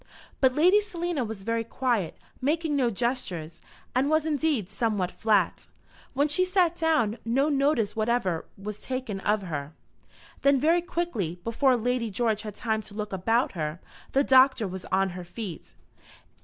But Lady Selina was very quiet, making no gestures, and was indeed somewhat flat. When she sat down no notice whatever was taken of her. Then very quickly, before Lady George had time to look about her, the Doctor was on her feet.